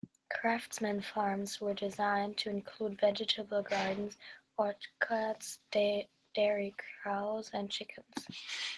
Craftsman Farms was designed to include vegetable gardens, orchards, dairy cows and chickens.